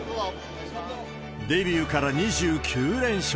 デビューから２９連勝。